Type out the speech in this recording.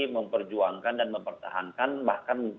memperjuangkan dan mempertahankan bahkan